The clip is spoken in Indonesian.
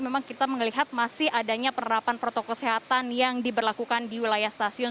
memang kita melihat masih adanya penerapan protokol kesehatan yang diberlakukan di wilayah stasiun